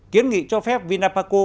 kiến nghị cho phép vinapaco